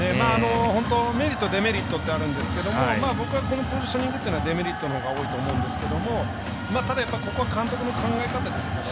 メリット、デメリットあるんですけど、僕はこのポジショニングというのはデメリットのほうが多いと思うんですがただここは監督の考え方ですから。